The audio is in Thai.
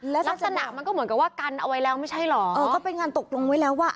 แล้วลักษณะมันก็เหมือนกับว่ากันเอาไว้แล้วไม่ใช่เหรอเออก็เป็นงานตกลงไว้แล้วว่า